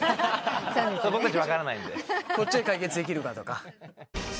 こっちで解決できるかとか。